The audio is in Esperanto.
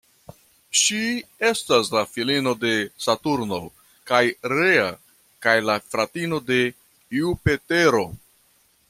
Ŝi estas la filino de Saturno kaj Rea kaj la fratino de Jupitero.